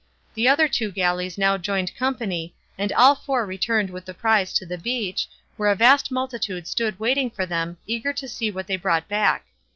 The other two galleys now joined company and all four returned with the prize to the beach, where a vast multitude stood waiting for them, eager to see what they brought back.